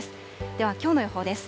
では、きょうの予報です。